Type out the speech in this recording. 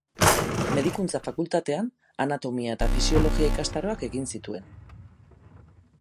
Medikuntza fakultatean anatomia eta fisiologia ikastaroak egin zituen.